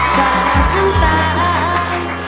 สาขนตาม